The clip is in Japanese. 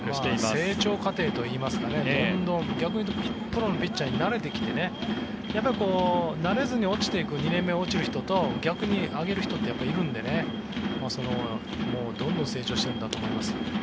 成長過程というか逆に言うとプロのピッチャーに慣れてきて慣れずに落ちていく２年目、落ちる人と逆に上げる人っているのでどんどん成長しているんだと思います。